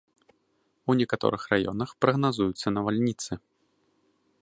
У некаторых раёнах прагназуюцца навальніцы.